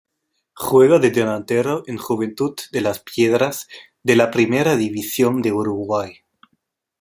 Juega de delantero en Juventud de Las Piedras de la Primera División de Uruguay.